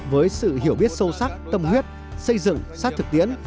với sự hiểu biết sâu sắc tâm huyết xây dựng sát thực tiễn